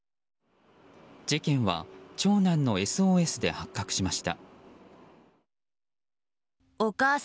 事件は長男のＳＯＳで発覚しました。